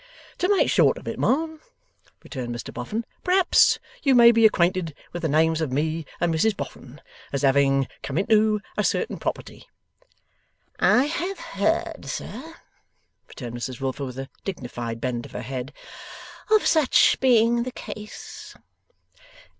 'To make short of it, ma'am,' returned Mr Boffin, 'perhaps you may be acquainted with the names of me and Mrs Boffin, as having come into a certain property.' 'I have heard, sir,' returned Mrs Wilfer, with a dignified bend of her head, 'of such being the case.